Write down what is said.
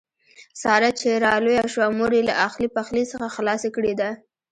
ساره چې را لویه شوه مور یې له اخلي پخلي څخه خلاصه کړې ده.